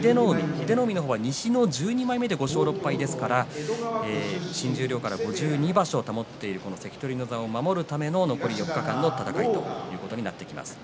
英乃海は西の１２枚目で５勝６敗ですから新十両から５２場所と保っている関取の座を守るための残り４日間の戦いということになってきます。